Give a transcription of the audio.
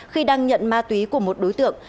khi đăng nhận ma túy của một đối tượng